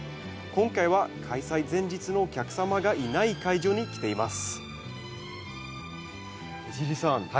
今回は開催前日のお客様がいない会場に来ています江尻さん